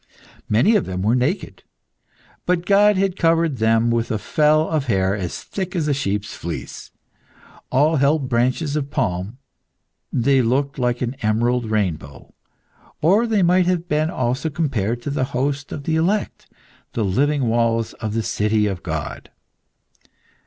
Many of them were naked, but God had covered them with a fell of hair as thick as a sheep's fleece. All held branches of palm; they looked like an emerald rainbow, or they might have been also compared to the host of the elect the living walls of the city of God.